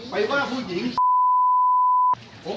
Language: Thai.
เกิดอะไรขึ้นครับ